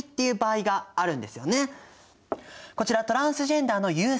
こちらトランスジェンダーのユウさん。